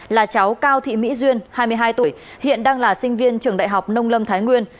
là cháu cao thị mỹ duyên hai mươi hai tuổi hiện đang là sinh viên trường đại học nông lâm thái nguyên